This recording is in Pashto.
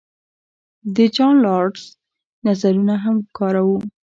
د جان رالز نظرونه هم کاروو.